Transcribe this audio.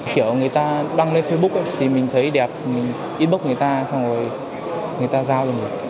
kiểu người ta đăng lên facebook thì mình thấy đẹp mình inbox người ta xong rồi người ta giao rồi